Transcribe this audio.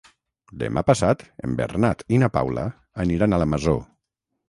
Demà passat en Bernat i na Paula aniran a la Masó.